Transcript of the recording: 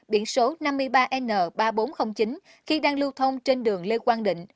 biển số năm mươi ba n ba nghìn bốn trăm linh chín khi đang lưu thông trên đường lê quang định